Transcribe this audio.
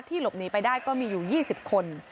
หลบหนีไปได้ก็มีอยู่๒๐คน